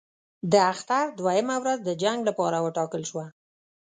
د اختر دوهمه ورځ د جنګ لپاره وټاکل شوه.